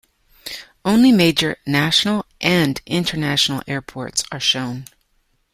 Only major National and International Airports are shown.